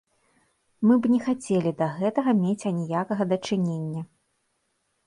Мы б не хацелі да гэтага мець аніякага дачынення.